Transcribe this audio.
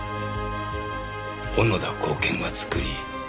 小野田公顕が作り